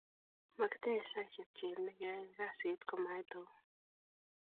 makitinye saisiek cheemei keyae kasit komait tom